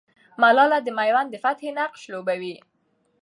ملالۍ د مېوند د فتحې نقش لوبوي.